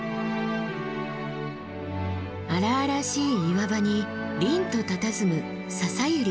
荒々しい岩場に凛とたたずむササユリ。